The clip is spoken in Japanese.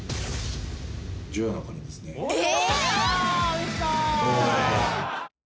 え！